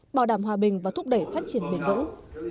bảo đảm hòa bình và thúc đẩy phát triển bền vững